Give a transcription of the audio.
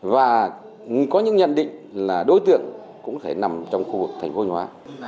và có những nhận định là đối tượng cũng có thể nằm trong khu vực thành phố thanh hóa